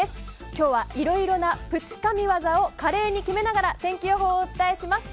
今日は、いろいろなプチ神ワザを華麗に決めながら天気予報をお伝えします。